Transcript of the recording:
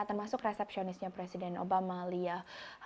termasuk resepsionisnya presiden obama lia